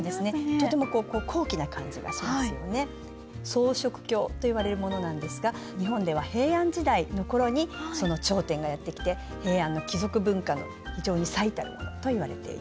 装飾経といわれるものなんですが日本では平安時代の頃にその頂点がやって来て平安の貴族文化の非常に最たるものといわれています。